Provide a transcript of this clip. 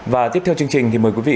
và tiếp theo chương trình thì mời quý vị